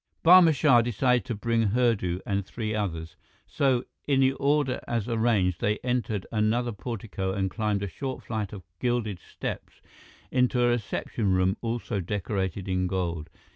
Barma Shah decided to bring Hurdu and three others. So, in the order as arranged, they entered another portico and climbed a short flight of gilded steps into a reception room also decorated in gold.